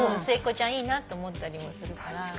末っ子ちゃんいいなと思ったりもするから。